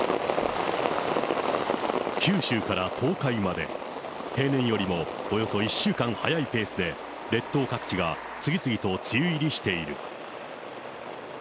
九州から東海まで、平年よりもおよそ１週間早いペースで、列島各地が次々と梅雨入りしている。